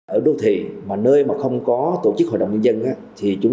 ở đô thị mà nơi mà không có tổ chức hội đồng nhân dân